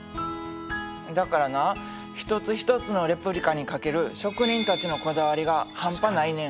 だからな一つ一つのレプリカにかける職人たちのこだわりが半端ないねん。